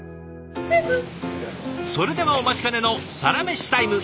それではお待ちかねのサラメシタイム。